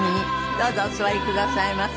どうぞお座りくださいませ。